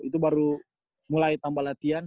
itu baru mulai tambah latihan